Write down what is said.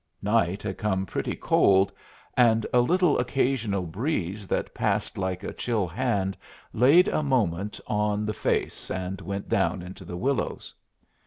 Night had come pretty cold, and a little occasional breeze, that passed like a chill hand laid a moment on the face, and went down into the willows.